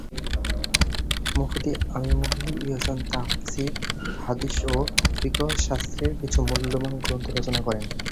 মুফতী আমীমুল ইহ্সান তাফসির, হাদীস ও ফিক্হশাস্ত্রের কিছু মূল্যবান গ্রন্থ রচনা করেন।